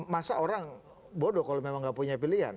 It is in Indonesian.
masa orang bodoh kalau memang nggak punya pilihan